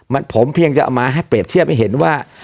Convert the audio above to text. มันผมเพียงจะเอามาให้เปรียบเทียบให้เห็นว่า